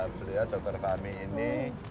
beliau dokter fahmi ini